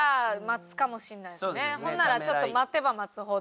ほんならちょっと待てば待つほど。